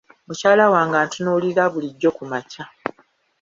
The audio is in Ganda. Mukyala wange antunuulira bulijjo ku makya.